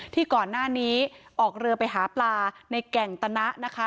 ที่ก่อนหน้านี้ออกเรือไปหาปลาในแก่งตนะนะคะ